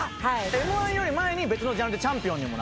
Ｍ−１より前に別のジャンルでチャンピオンにもなってる。